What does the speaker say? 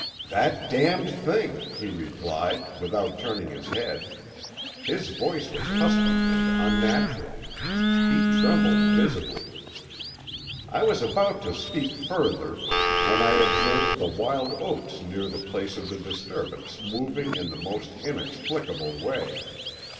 "'That Damned Thing!' he replied, without turning his head. His voice was husky and unnatural. He trembled visibly. "I was about to speak further, when I observed the wild oats near the place of the disturbance moving in the most inexplicable way.